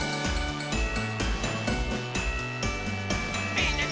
みんなで。